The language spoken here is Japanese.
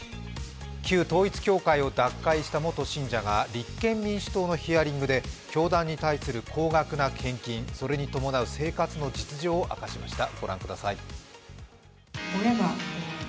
級統一教会を脱会した元信者が立憲民主党のヒヤリングで教団に対する高額な献金と生活の実情をあきらかにしました。